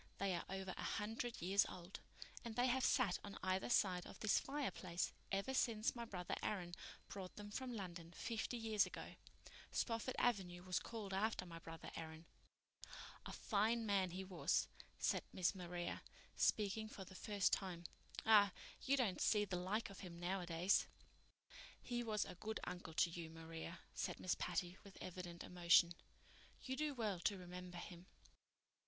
"They are over a hundred years old, and they have sat on either side of this fireplace ever since my brother Aaron brought them from London fifty years ago. Spofford Avenue was called after my brother Aaron." "A fine man he was," said Miss Maria, speaking for the first time. "Ah, you don't see the like of him nowadays." "He was a good uncle to you, Maria," said Miss Patty, with evident emotion. "You do well to remember him."